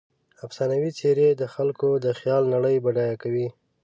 افسانوي څیرې د خلکو د خیال نړۍ بډایه کوي.